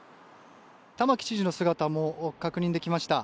玉城知事の姿も確認できました。